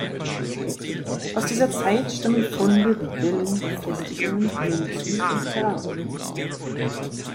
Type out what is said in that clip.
Aus dieser Zeit stammen Funde wie Villen, Befestigungen, Münzen und Keramik.